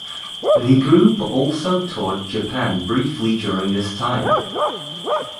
The group also toured Japan briefly during this time.